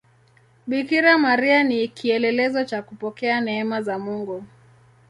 Bikira Maria ni kielelezo cha kupokea neema za Mungu.